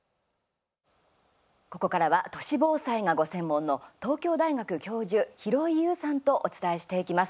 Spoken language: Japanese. ここからは都市防災がご専門の東京大学教授廣井悠さんとお伝えしていきます。